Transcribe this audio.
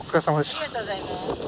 ありがとうございます。